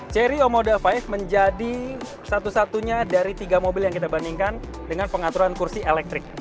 cherry omoda lima menjadi satu satunya dari tiga mobil yang kita bandingkan dengan pengaturan kursi elektrik